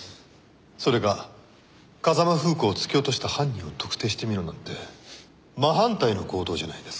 それが風間楓子を突き落とした犯人を特定してみろなんて真反対の行動じゃないですか。